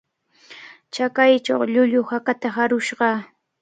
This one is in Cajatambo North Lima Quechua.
Chakaychaw llullu hakata harushqa